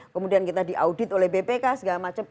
kemudian kita diaudit oleh bpk segala macam